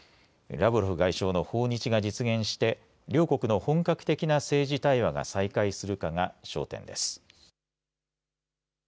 ラブロフ外相の訪日が実現して両国の本格的な政治対話が再開するかが焦点です。